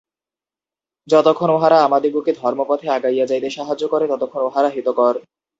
যতক্ষণ উহারা আমাদিগকে ধর্মপথে আগাইয়া যাইতে সাহায্য করে, ততক্ষণ উহারা হিতকর।